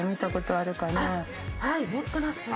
あっはい持ってます。